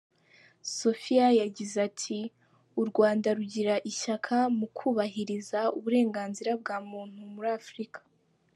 Sophia yagize ati “u Rwanda rugira ishyaka mu kubahiriza uburenganzira bwa muntu muri Afurika.